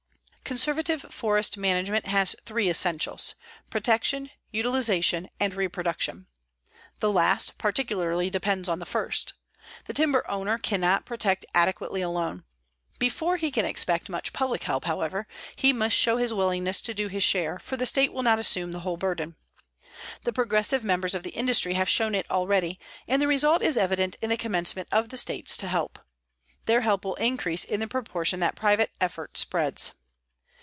Conservative forest management has three essentials: Protection, utilization and reproduction. The last particularly depends on the first. The timber owner cannot protect adequately alone. Before he can expect much public help, however, he must show his willingness to do his share, for the state will not assume the whole burden. The progressive members of the industry have shown it already, and the result is evident in the commencement of the states to help. Their help will increase in the proportion that private effort spreads.